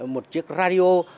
một chiếc radio